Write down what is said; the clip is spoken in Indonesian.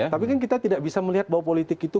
tapi kan kita tidak bisa melihat bahwa politik itu